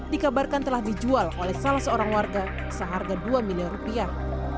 dikabarkan telah dijual oleh salah seorang warga seharga dua miliar rupiah